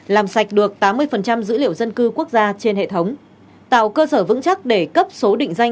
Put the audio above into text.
làm sạch được tám mươi dữ liệu dân cư quốc gia trên hệ thống tạo cơ sở vững chắc để cấp số định danh